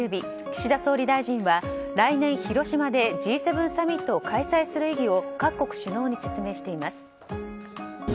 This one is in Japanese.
岸田総理大臣は来年、広島でＧ７サミットを開催する意義を各国首脳に説明しています。